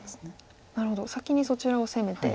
なるほど先にそちらを攻めて。